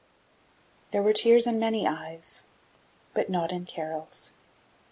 There were tears in many eyes, but not in Carol's.